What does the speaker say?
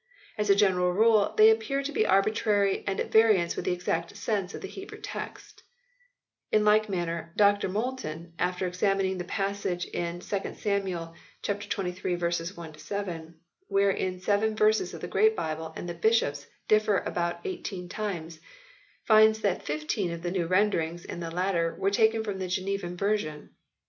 As a general rule they appear to be arbitrary and at variance with the exact sense of the Hebrew text." In like manner Dr Moulton, after examining the passage in 2 Samuel xxiii. 1 7, where in seven verses the Great Bible and the Bishops differ about 18 times, finds that 15 of the new renderings in the latter are taken from the Genevan version.